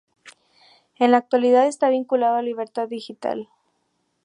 En la actualidad está vinculado a Libertad Digital.